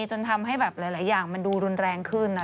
จนทำให้แบบหลายอย่างมันดูรุนแรงขึ้น